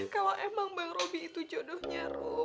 kalo emang bang robi itu jodohnya rum